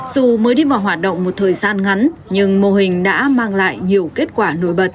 dù mới đi vào hoạt động một thời gian ngắn nhưng mô hình đã mang lại nhiều kết quả nổi bật